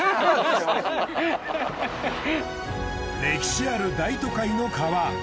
歴史ある大都会の川。